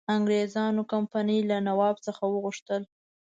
انګرېزانو کمپنی له نواب څخه وغوښتل.